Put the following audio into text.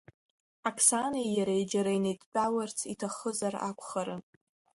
Аксанеи иареи џьара инеидтәаларц иҭахызар акәхарын.